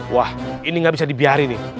wah ini nggak bisa dibiarin nih